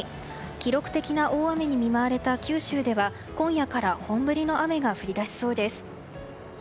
記録的な大雨に見舞われた九州では今夜から本降りの雨が降り出しそうです。